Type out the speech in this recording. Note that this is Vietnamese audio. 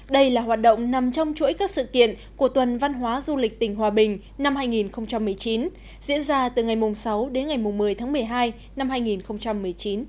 đây là hoạt động nằm trong chuỗi các sự kiện của tuần văn hóa du lịch tỉnh hòa bình năm hai nghìn một mươi chín diễn ra từ ngày sáu đến ngày một mươi tháng một mươi hai năm hai nghìn một mươi chín